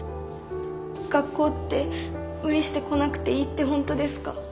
学校って無理して来なくていいってほんとですか？